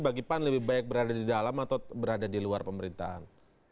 bagi pan lebih baik berada di dalam atau berada di luar pemerintahan